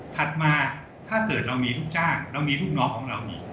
ถัดมาถ้าเกิดเรามีลูกจ้างเรามีลูกน้องของเรามี